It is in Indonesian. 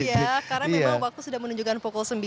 karena memang waktu sudah menunjukkan pukul sembilan